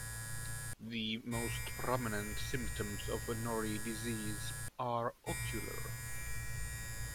The most prominent symptoms of Norrie disease are ocular.